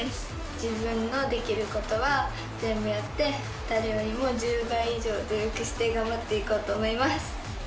自分のできることは全部やって、誰よりも１０倍以上努力して頑張っていこうと思います。